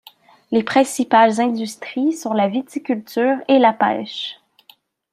Les principales industries sont la viticulture et la pêche.